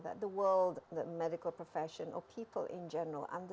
bahwa dunia profesi medis atau orang orang di umumnya